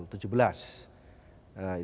itu mengenai rangkaian ibadah katolik